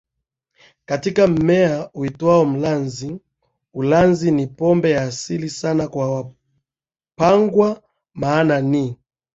katika mmea uitwao mlanzi Ulanzi ni pombe ya asili sana kwa Wapangwa maana ni